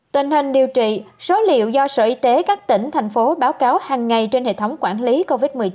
tình hình điều trị số liệu do sở y tế các tỉnh thành phố báo cáo hàng ngày trên hệ thống quản lý covid một mươi chín